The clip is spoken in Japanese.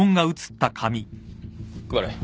配れ。